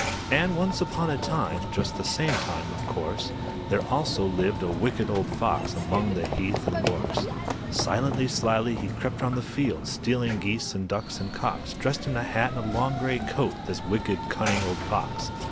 And once upon a time Just the same time, of course, There also lived a Wicked Old Fox Among the heath and gorse. Silently, slyly, he crept round the fields, Stealing geese and ducks and cocks, Dressed in a hat and long great coat, This wicked, cunning old Fox.